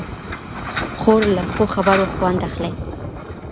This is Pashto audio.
خور له ښو خبرو خوند اخلي.